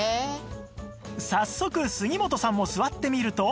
早速杉本さんも座ってみると